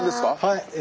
はい。